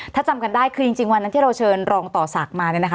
ถ้าจำกันได้คือจริงวันนั้นที่เราเชิญรองต่อศักดิ์มาเนี่ยนะคะ